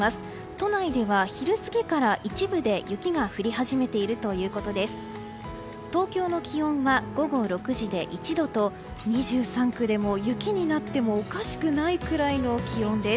都内では、昼過ぎから一部で雪が降り始めているということです。